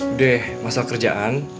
udah ya masalah kerjaan